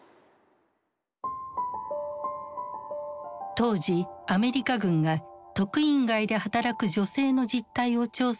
当時アメリカ軍が特飲街で働く女性の実態を調査した資料がある。